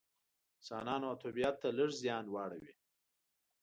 انسانانو او طبیعت ته لږ زیان واړوي.